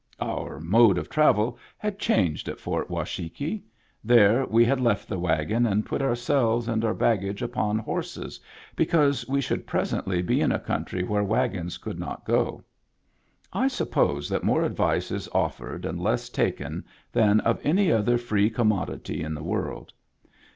Our mode of travel had changed at Fort Washakie. There we had left the wagon and put ourselves and our baggage upon horses, be cause we should presently be in a country where wagons could not go. I suppose that more ad vice is offered and less taken than of any other free commodity in the world.